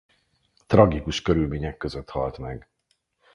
Tragikus körülmények között halt meg.